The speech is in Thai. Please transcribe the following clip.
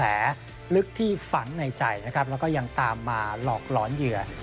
แผลลึกที่ฝังในใจนะครับแล้วก็ยังตามมาหลอกหลอนเหยื่อ